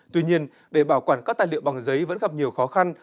tuy nhiên để bảo quản các tài liệu bằng giấy vẫn gặp nhiều khó khăn